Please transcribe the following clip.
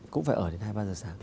cũng phải ở đến hai ba giờ sáng